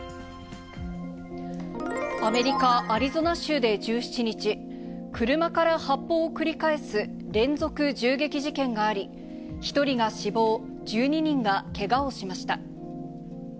アメリカ・アリゾナ州で１７日、車から発砲を繰り返す連続銃撃事件があり、１人が死亡、１２人がけがをしました。